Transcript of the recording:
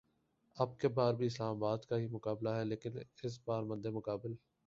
اب کی بار بھی اسلام آباد کا ہی مقابلہ ہے لیکن اس بار مدمقابل